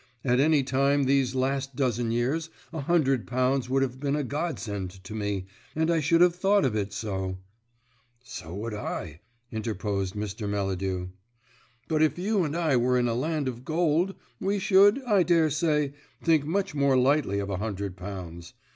At any time these last dozen years a hundred pounds would have been a God send to me, and I should have thought of it so " "So would I," interposed Mr. Melladew. "But if you and I were in a land of gold, we should, I daresay, think much more lightly of a hundred pounds.